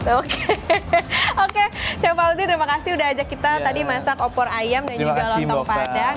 oke oke chef fauzi terima kasih udah ajak kita tadi masak opor ayam dan juga lontong padang